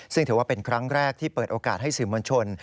ซึ่งถือว่าเป็นครั้งแรกที่เปิดโอกาสให้สื่อมวลชน